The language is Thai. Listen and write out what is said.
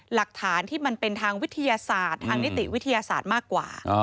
หลักฐานที่มันเป็นทางวิทยาศาสตร์ทางนิติวิทยาศาสตร์มากกว่า